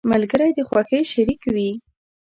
• ملګری د خوښۍ شریك وي.